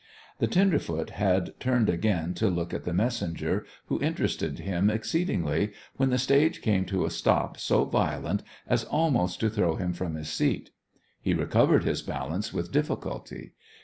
The tenderfoot had turned again to look at the messenger, who interested him exceedingly, when the stage came to a stop so violent as almost to throw him from his seat. He recovered his balance with difficulty.